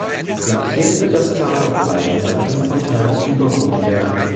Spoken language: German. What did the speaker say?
Flankiert wird das Tal auf beiden Seiten von teils über hohen Bergen.